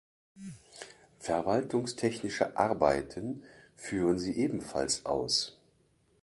Verwaltungstechnische Arbeiten führen sie ebenfalls aus.